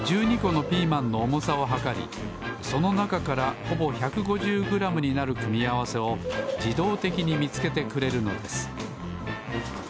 このピーマンのおもさをはかりそのなかからほぼ１５０グラムになる組み合わせをじどうてきにみつけてくれるのです。